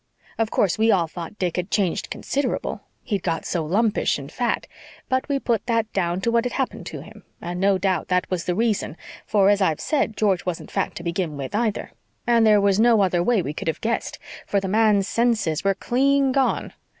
Of course, we all thought Dick had changed considerable he'd got so lumpish and fat. But we put that down to what had happened to him, and no doubt that was the reason, for, as I've said, George wasn't fat to begin with either. And there was no other way we could have guessed, for the man's senses were clean gone.